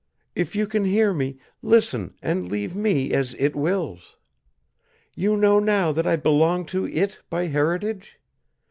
"If you can hear me, listen and leave me as It wills. You know now that I belong to It by heritage?